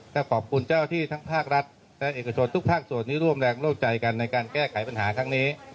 ถ้าขอบคุณเจ้าที่ทั้งภาครัฐและเอกชนทุกภาคส่วนที่ร่วมแรงร่วมใจกันในการแก้ไขปัญหาครั้งนี้